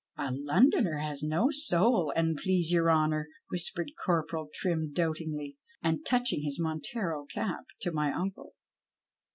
" A Londoner has no soul, an' j^lcase your honour," whispered Corporal Trim doubtingly, and touching his Montero cap to my uncle.